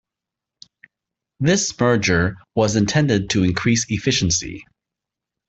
This merger was intended to increase efficiency.